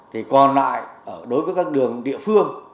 thì còn lại đối với các đường địa phương